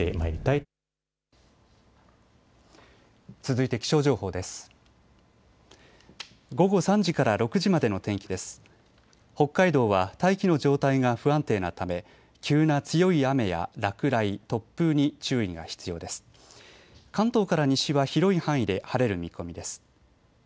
関東から西は広い範囲で晴れる見込みです。